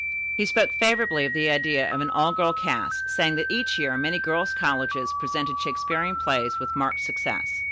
He spoke favorably of the idea of an all girl cast, saying that each year many girls' colleges presented Shakespearian plays with marked success.